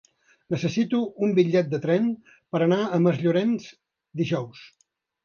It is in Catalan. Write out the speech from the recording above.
Necessito un bitllet de tren per anar a Masllorenç dijous.